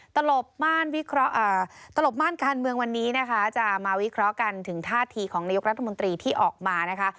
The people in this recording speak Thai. ตลบม่านการเมืองวันนี้นะคะจะมาวิเคราะห์กันถึงท่าทีของนายกรัฐมนตรีที่ออกมานะคะ